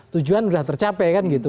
tujuan udah tercapekan gitu